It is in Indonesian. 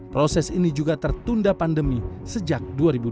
proses ini juga tertunda pandemi sejak dua ribu dua puluh